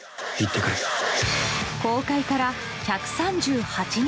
公開から１３８日。